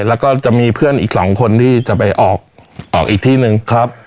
แล้วก็จะมีเพื่อนอีกสองคนที่จะไปออกออกอีกที่หนึ่งครับ